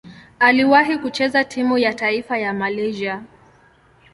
Aliwahi kucheza timu ya taifa ya Malaysia.